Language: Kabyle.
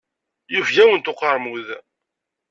Yufeg-awent uqermud.